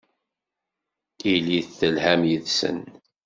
Ilit telham yid-sen.